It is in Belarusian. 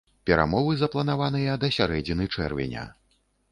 Перамовы запланаваныя да сярэдзіны чэрвеня.